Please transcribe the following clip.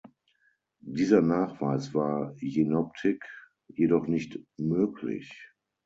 Dieser Nachweis war Jenoptik jedoch nicht möglich.